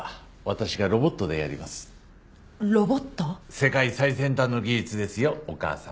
世界最先端の技術ですよお母さん。